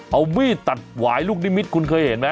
เอามีดตัดหวายลูกนิมิตคุณเคยเห็นไหม